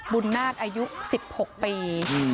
บุญนาฏอายุ๑๖ปี